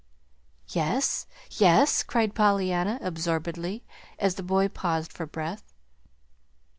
"Yes, yes!" cried Pollyanna, absorbedly, as the boy paused for breath.